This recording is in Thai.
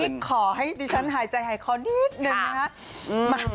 นี่ขอให้ชั้นหายใจหายครอนิ้ดหนึ่งนะครับ